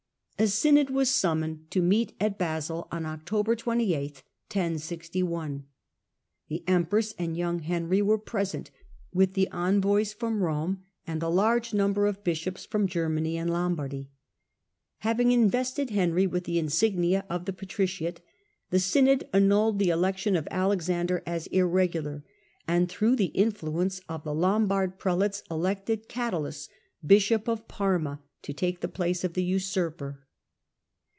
A synod was summoned to meet at Basel on Octo ber 28, 1061. The empress and young Henry were Synod at present, with the envoys from Rome, and a cadaius, large number of bishops from Germany and Pann£ ^ Lombafdy . Having invested Henry with the insignia of the patriciate, the synod annulled the elec tion of Alexander as irregular, and, through the in fluence of the Lombard prelates, elected Oadalus, bishop of Parma, to take the place of the usurper.